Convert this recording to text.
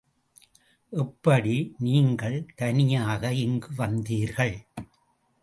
எப்படி நீங்கள் தனியாக இங்கு வந்தீர்கள்?